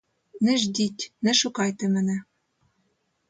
Не ждіть, не шукайте мене.